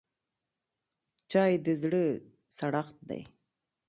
چای د زړه سړښت دی